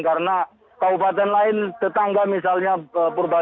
karena kabupaten lain tetangga misalnya purbali